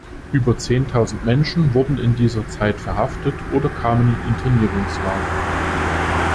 Über zehntausend Menschen wurden in dieser Zeit verhaftet oder kamen in Internierungslager.